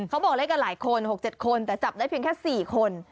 เขาบอกเลขกันหลายคน๖๗คนแต่จับได้เพียงแค่๔คน